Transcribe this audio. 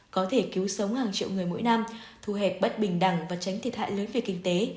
có thể cứu sống hàng triệu người mỗi năm thu hẹp bất bình đẳng và tránh thiệt hại lớn về kinh tế